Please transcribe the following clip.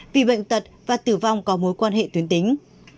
vì bệnh tật và tử vong có mối quan hệ tuyến tính